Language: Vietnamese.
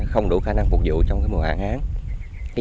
không đủ khả năng phục vụ trong mùa hạn án